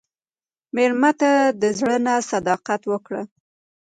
مېلمه ته د زړه نه صداقت ورکړه.